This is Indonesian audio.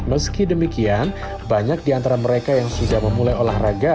meski demikian banyak di antara mereka yang sudah memulai olahraga